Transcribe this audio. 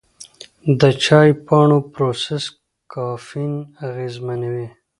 د چای پاڼو پروسس کافین اغېزمنوي.